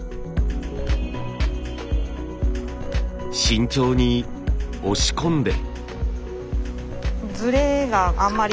慎重に押し込んで。